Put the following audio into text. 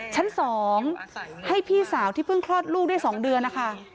ชั้น๒ให้พี่สาวที่เพิ่งคลอดลูกได้๒เดือนนะคะ